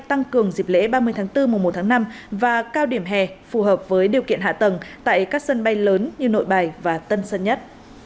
tăng cường dịp lễ ba mươi tháng bốn mùa một tháng năm và cao điểm hè phù hợp với điều kiện hạ tầng tại các sân bay lớn như nội bài và tân sân nhất